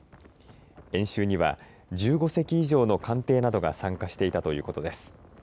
演習には１５隻以上の艦艇などが参加していたということです。